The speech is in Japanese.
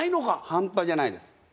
半端じゃないです。